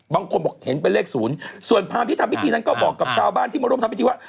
บางคนบอกเห็นเป็นเลขศูนย์ส่วนพรามที่ทำพิธีนั้นก็บอกกับชาวบ้านที่มาร่วมทำพิธีว่า